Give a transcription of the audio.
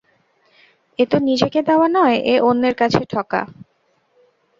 এ তো নিজেকে দেওয়া নয়, এ অন্যের কাছে ঠকা।